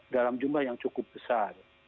dalam jumlah yang cukup besar